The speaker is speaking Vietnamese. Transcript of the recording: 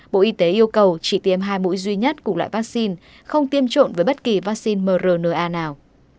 bộ y tế yêu cầu chỉ tiêm hai mũi duy nhất cùng loại vaccine không tiêm trộn với bất kỳ vaccine mrna nào